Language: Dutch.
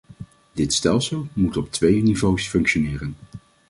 Dit stelsel moet op twee niveaus functioneren.